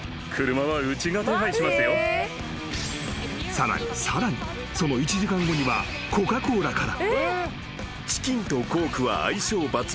［さらにさらにその１時間後にはコカ・コーラから］